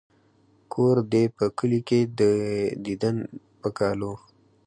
ـ کور دې په کلي کې دى ديدن د په کالو.